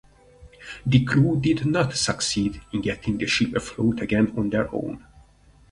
The crew did not succeed in getting the ship afloat again on their own.